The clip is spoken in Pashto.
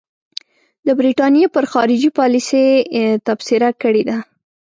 د برټانیې پر خارجي پالیسۍ تبصره کړې ده.